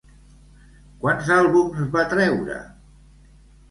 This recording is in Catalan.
Quants àlbums va treure?